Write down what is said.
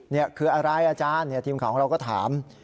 นี่คืออะไรอาจารย์ทีมข่าวของเราก็ถาม